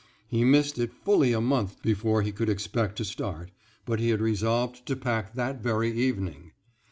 He missed it fully a month before he could expect to start; but he had resolved to pack that very evening.